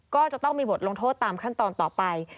ก็จะต้องมีบทลงโทษตามขั้นตอนต่อไป